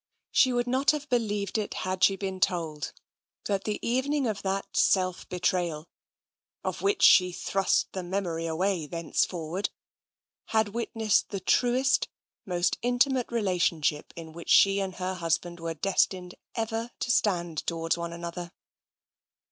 She would not have believed it, had she been told that the evening of that self betrayal, of which she thrust the memory away thenceforward, had witnessed the truest, most intimate relationship in which she and her husband were destined ever to stand towards one another.